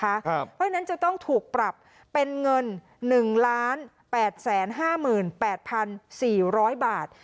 เพราะฉะนั้นจะต้องถูกปรับเป็นเงิน๑๘๕๘๔๐๐บาท